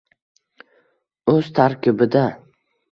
O‘z tarkibida: